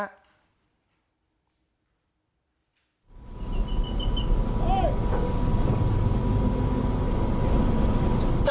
ยังไม่จอดเหรอ